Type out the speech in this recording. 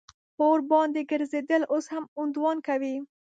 اور باندې ګرځېدل اوس هم هندوان کوي.